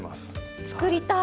作りたい！